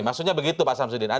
maksudnya begitu pak samsudin